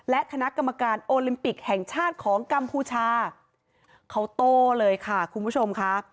และคณะกรรมการโอลิมปิกแห่งชาติของกัมพูชาเขาโต้เลยค่ะคุณผู้ชมค่ะ